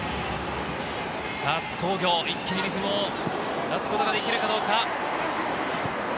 津工業、一気にリズムを出すことができるかどうか。